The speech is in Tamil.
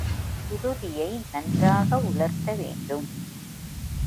புழுதியை நன்றாக உலர்த்த வேண்டும்.